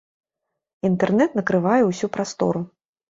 Інтэрнэт накрывае ўсю прастору.